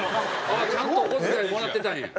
ちゃんとお小遣いもらってたんや。